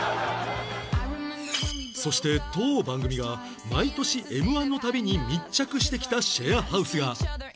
そして当番組が毎年 Ｍ−１ のたびに密着してきたシェアハウスが